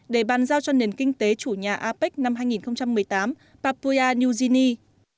để bàn giao cho nền kinh tế chủ nhà apec năm hai nghìn một mươi tám papua new guinea